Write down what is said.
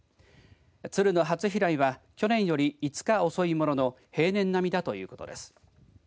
ツルの初飛来は去年より５日遅いものの平年並みだということです。